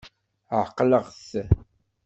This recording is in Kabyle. Ɛeqleɣ-t.